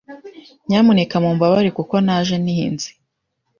Nyamuneka mumbabarire kuko naje ntinze.